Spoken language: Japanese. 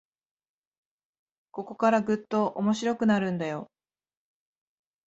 ここからぐっと面白くなるんだよ